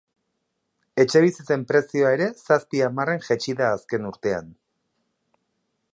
Etxebizitzen prezioa ere zazpi hamarren jaitsi da azken urtean.